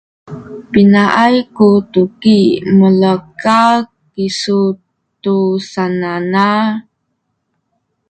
pinaay ku tuki mulekal kisu tu sananal?